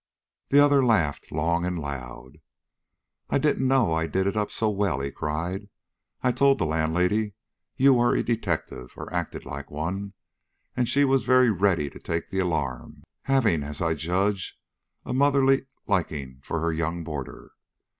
The other laughed long and loud. "I didn't know I did it up so well," he cried. "I told the landlady you were a detective, or acted like one, and she was very ready to take the alarm, having, as I judge, a motherly liking for her young boarder.